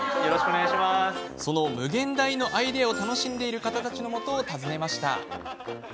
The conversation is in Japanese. その無限大のアイデアを楽しんでいる方たちのもとを訪ねました。